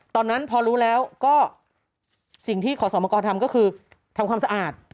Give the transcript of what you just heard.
ตอนนั้นพอรู้แล้วก็สิ่งที่ขอสมกรทำก็คือทำความสะอาด